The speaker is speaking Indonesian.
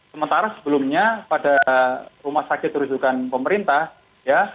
sementara sebelumnya pada rumah sakit terujukan pemerintah ya